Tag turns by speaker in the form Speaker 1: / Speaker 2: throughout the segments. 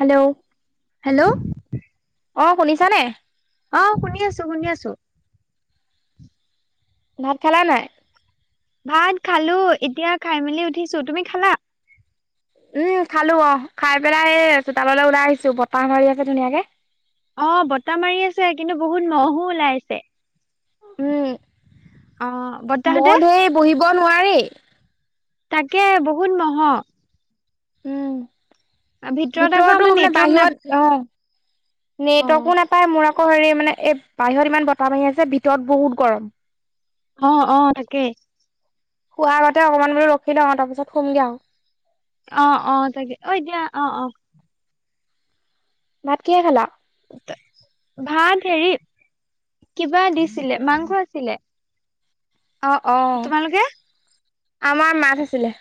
Speaker 1: Hello
Speaker 2: hello
Speaker 1: অ শুনিছানে
Speaker 2: অ শুনি আছো শুনি আছো
Speaker 1: ভাত খালা নাই
Speaker 2: ভাত খালো এতিয়া খাই মেলি উঠিছো তুমি খালা
Speaker 1: উম খালো অহ খাই পেলাই এহ চোতাললৈ ওলাই আহিছো বতাহ মাৰি আছে ধুনীয়াকে
Speaker 2: অ বতাহ মাৰি আছে কিন্তু বহুত মহো ওলাইছে অ
Speaker 1: উম মহ
Speaker 2: বতাহতে
Speaker 1: ধেই বহিব নোৱাৰি
Speaker 2: তাকে বহুত মহ
Speaker 1: উম
Speaker 2: ভিতৰত আকৌ
Speaker 1: ভিতৰতো
Speaker 2: আমাৰ
Speaker 1: মানে
Speaker 2: নেটৱৰ্ক নাপ
Speaker 1: বাহিৰত অ
Speaker 2: অ
Speaker 1: নেটৱৰ্কো নাপায় মোৰ কহেৰ মানে এই বাহিৰত ইমান বতাহ মাৰি আছে ভিতৰত বহুত গৰম
Speaker 2: অ অ তাকেই
Speaker 1: শুৱা আগতে অকমান বোলো ৰখি লওঁ তাৰপিছত শুমগে আৰু
Speaker 2: অ অ তাকে অ এতিয়া অ অ
Speaker 1: ভাত কিহে খালা
Speaker 2: ভাত হেৰি কিবা দিছিলে মাংস আছিলে
Speaker 1: অ অ
Speaker 2: তোমালোকে
Speaker 1: আমাৰ মাছ আছিলে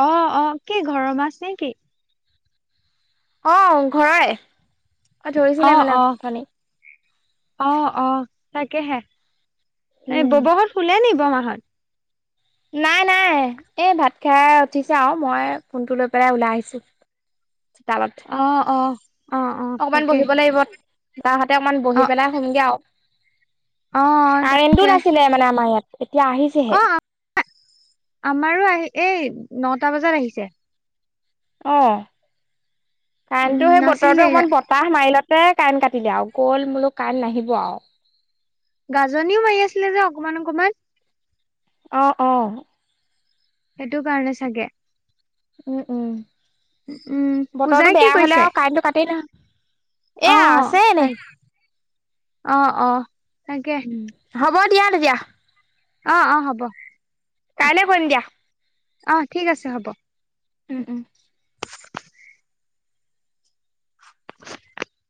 Speaker 2: অ অ কি ঘৰৰ মাছ নেকি
Speaker 1: অ ঘৰৰে ধৰিছিলে
Speaker 2: অ
Speaker 1: মানে
Speaker 2: অ
Speaker 1: অথনি।
Speaker 2: অ অ তাকেহে এই
Speaker 1: উম
Speaker 2: ব'ব হত শুলে নি বমাহত
Speaker 1: নাই নাই এই ভাত খাই উঠিছে আৰু মই ফোনটো লৈ পেলাই ওলাই আহিছো তা লত
Speaker 2: অ অ অ অ
Speaker 1: অকণমান
Speaker 2: তাকে
Speaker 1: বহিব লাগিব তাহাতে অকণমান বহি
Speaker 2: অ
Speaker 1: পেলাই শুমগে আউ
Speaker 2: অ তাকে
Speaker 1: কাৰেণ্টটোও নাছিলে মানে আমাৰ ইয়াত এতিয়া আহিছেহে
Speaker 2: অ আমাৰো আহি এই নটা বজাত আহিছে
Speaker 1: অঁ
Speaker 2: উম
Speaker 1: কাৰেণ্টটো সেই
Speaker 2: নাছিলে
Speaker 1: বতৰটো অকণমান বট বতাহ মাৰিলতে কাইণ্ট কাটিলে আৰু গ'ল মই বোলো কইণ্ট নাহিব আউ [unintelligible]
Speaker 2: গাজনিও মাৰি আছিলে যে অকমান অকমান
Speaker 1: অ অ
Speaker 2: সেইটো কাৰণে চাগে
Speaker 1: উম উম
Speaker 2: পূজাই
Speaker 1: বতৰটো
Speaker 2: কি
Speaker 1: বেয়া
Speaker 2: কৰিছে
Speaker 1: হ'লে আৰু কাৰেণ্টটো কাটেই নহয়
Speaker 2: অ
Speaker 1: এয়া আছে এনে
Speaker 2: তাই অ অ তাকে
Speaker 1: উম হ'ব দিয়া তেতিয়া
Speaker 2: অ অ হ'ব অ
Speaker 1: কাইলে কৰিম দিয়া
Speaker 2: অ ঠিক আছে হ'ব
Speaker 1: উম উম